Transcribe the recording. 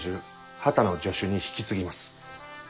波多野助手に引き継ぎます。